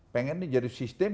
pengen nih jadi sistem